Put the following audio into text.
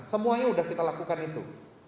semuanya sudah kita lakukan itu